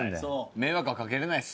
迷惑はかけられないです。